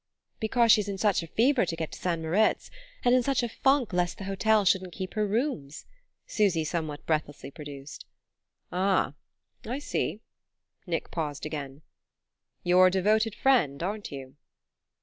"Because she's in such a fever to get to St. Moritz and in such a funk lest the hotel shouldn't keep her rooms," Susy somewhat breathlessly produced. "Ah I see." Nick paused again. "You're a devoted friend, aren't you!"